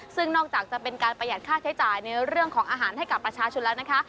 ซึ่งนอกจากจะเป็นการประหยัดค่าใช้จ่ายในเรื่องของอาหารให้กับประชาชนแล้วนะคะ